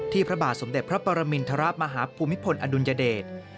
พระบาทสมเด็จพระปรมินทรมาฮภูมิพลอดุลยเดช